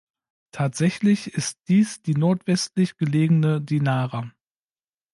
Tatsächlich ist dies die nordwestlich gelegene Dinara.